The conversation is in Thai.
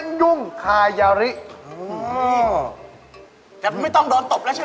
ตกลงมารอหัวใหญ่ออกกันแล้วกัน